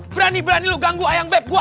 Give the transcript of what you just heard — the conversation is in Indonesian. berani berani lo ganggu ayam beb gua